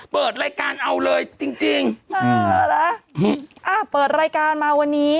เปิดรายการเอาเลยจริงจริงเออนะอ่าเปิดรายการมาวันนี้